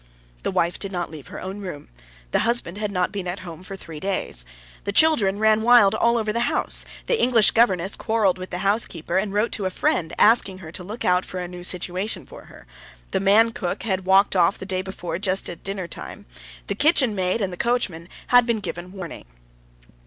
The wife did not leave her own room, the husband had not been at home for three days. The children ran wild all over the house; the English governess quarreled with the housekeeper, and wrote to a friend asking her to look out for a new situation for her; the man cook had walked off the day before just at dinner time; the kitchen maid, and the coachman had given warning.